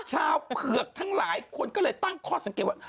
เผือกทั้งหลายคนก็เลยตั้งข้อสังเกตว่า